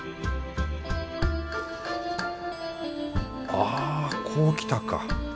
あぁこうきたか。